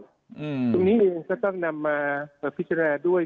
ตรงนี้เองก็ต้องนำมาพิจารณาด้วย